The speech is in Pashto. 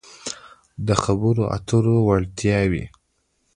-د خبرو اترو وړتیاوې